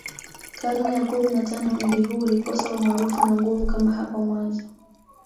Karne ya kumi na tano mji huu ulikosa umaarufu na nguvu kama hapo mwanzo